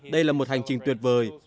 đây là một hành trình tuyệt vời